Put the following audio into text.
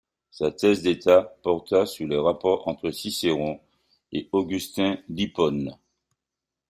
Sa thèse d'État porta sur les rapports entre Cicéron et Augustin d'Hippone.